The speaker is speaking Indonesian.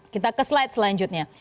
kita ke slide selanjutnya